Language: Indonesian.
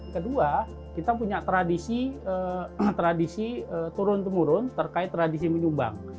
kedua kita punya tradisi turun temurun terkait tradisi menyumbang